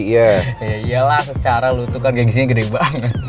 ya iyalah secara lo itu kan gagisnya gede banget